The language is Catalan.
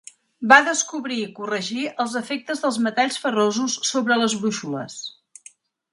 Va descobrir i corregir els efectes dels metalls ferrosos sobre les brúixoles.